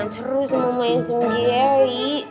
terus mau main sendiri